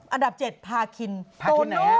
อันดับ๗ภาคินน่ะ